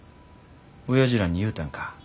おやじらに言うたんか